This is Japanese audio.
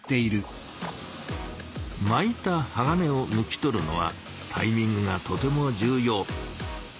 巻いた鋼を抜き取るのはタイミングがとても重要。